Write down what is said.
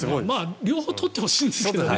両方取ってほしいんですけどね